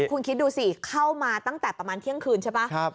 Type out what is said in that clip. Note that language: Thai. คุณคิดดูสิเข้ามาตั้งแต่ประมาณเที่ยงคืนใช่ป่ะ